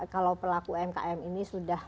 kalau pelaku umkm ini sudah